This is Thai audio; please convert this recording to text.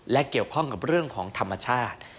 และเกี่ยวข้องกับเรื่องของธรรมชาติ